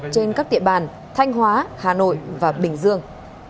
trên các địa bàn thanh hóa hà nội và bình dương